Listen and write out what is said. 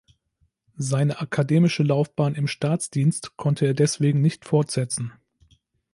Seine akademische Laufbahn im Staatsdienst konnte er deswegen nicht fortsetzen.